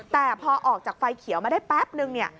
แต่พอออกจากไฟเขียวมาได้แป๊บนึงเนี่ย